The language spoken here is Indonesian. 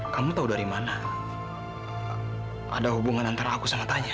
kamu tau dari mana ada hubungan antara aku sama katanya